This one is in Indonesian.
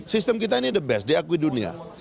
sistem kita ini the best diakui dunia